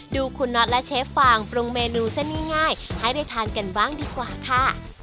ดูคุณน็อตและเชฟฟางปรุงเมนูเส้นง่ายให้ได้ทานกันบ้างดีกว่าค่ะ